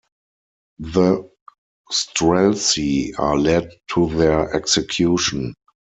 The Streltsy are led to their execution.